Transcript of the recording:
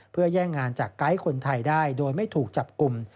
เพื่อแย่งงานจากไกด์คนไทยได้โดยไม่ถูกจับกลุ่ม